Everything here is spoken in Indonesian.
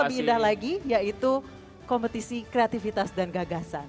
lebih indah lagi yaitu kompetisi kreativitas dan gagasan